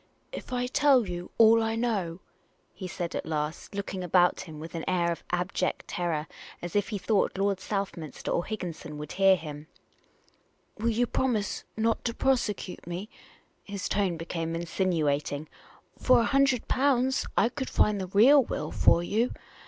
" If I tell you all I know," he said, at last, looking about him with an air of abject terror, as if he thought Lord South minster or Higginson would hear him, " will you promise not to prosecute me?" His tone became insinuating. " For a hundred pounds I could find the real will for you.